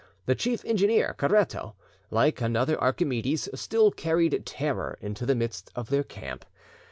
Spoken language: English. The chief engineer, Caretto, like another Archimedes, still carried terror into the midst of their camp.